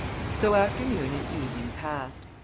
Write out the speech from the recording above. So afternoon and evening passed.